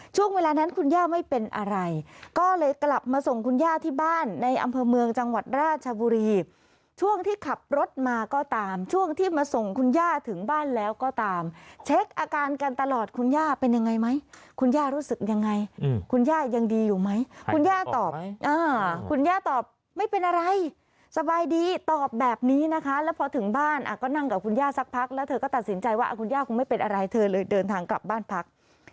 ช่วงเวลานั้นคุณย่าไม่เป็นอะไรก็เลยกลับมาส่งคุณย่าที่บ้านในอำเภอเมืองจังหวัดราชบุรีช่วงที่ขับรถมาก็ตามช่วงที่มาส่งคุณย่าถึงบ้านแล้วก็ตามเช็คอาการกันตลอดคุณย่าเป็นยังไงไหมคุณย่ารู้สึกยังไงคุณย่ายังดีอยู่ไหมคุณย่าตอบไม่เป็นอะไรสบายดีตอบแบบนี้นะคะแล้วพอถึงบ้านก็นั่งกับค